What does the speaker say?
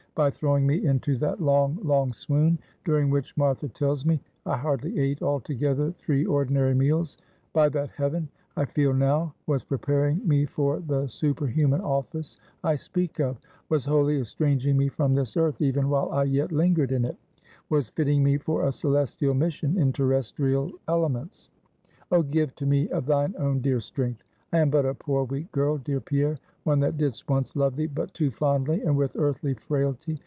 By throwing me into that long, long swoon, during which, Martha tells me, I hardly ate altogether, three ordinary meals, by that, heaven, I feel now, was preparing me for the superhuman office I speak of; was wholly estranging me from this earth, even while I yet lingered in it; was fitting me for a celestial mission in terrestrial elements. Oh, give to me of thine own dear strength! I am but a poor weak girl, dear Pierre; one that didst once love thee but too fondly, and with earthly frailty.